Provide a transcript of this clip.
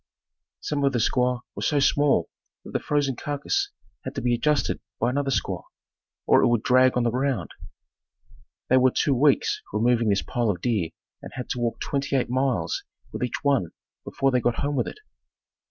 Some of the squaws were so small that the frozen carcass had to be adjusted by another squaw or it would drag on the ground. They were two weeks removing this pile of deer and had to walk twenty eight miles with each one before they got home with it.